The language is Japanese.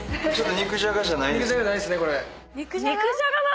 肉じゃがじゃないです。